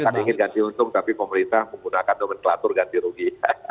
kita ingin ganti untung tapi pemerintah menggunakan nomenklatur ganti rugi